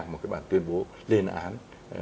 một cái bản tuyên bố lên án